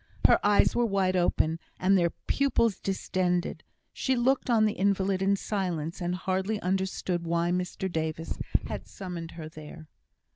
Her eyes were wide open, and their pupils distended. She looked on the invalid in silence, and hardly understood why Mr Davis had summoned her there.